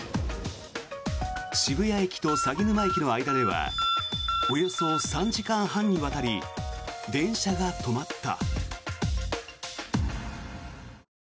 渋谷駅と鷺沼駅の間ではおよそ３時間半にわたり電車が止まった。